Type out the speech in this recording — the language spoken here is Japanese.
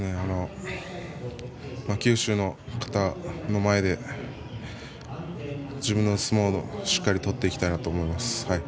九州の方の前で自分の相撲をしっかり取っていきたいなと思います。